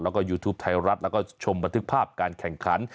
แล้วก็ยูทูปไทยรัฐแล้วก็ชมบันทึกภาพการแข่งขัน